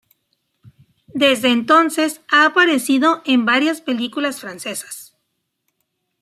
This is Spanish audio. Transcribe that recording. Desde entonces ha aparecido en varias películas francesas.